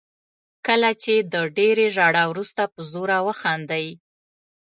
کله چې د ډېرې ژړا وروسته په زوره وخاندئ.